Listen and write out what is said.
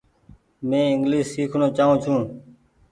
مين انگليش سيکڻو چآئو ڇون ۔